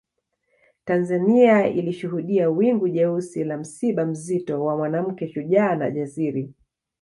Tanzania ilishuhudia wingu jeusi la msiba mzito wa Mwanamke shujaa na jasiri